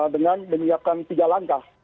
dengan menyiapkan tiga langkah